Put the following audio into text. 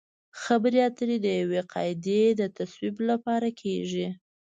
خبرې اترې د یوې قاعدې د تصویب لپاره کیږي